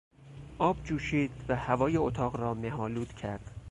آب جوشید و هوای اتاق را مهآلود کرد.